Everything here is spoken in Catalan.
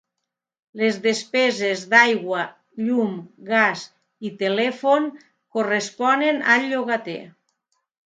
Les despeses d'aigua, llum, gas i telèfon corresponen al llogater.